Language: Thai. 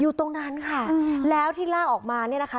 อยู่ตรงนั้นค่ะแล้วที่ลากออกมาเนี่ยนะคะ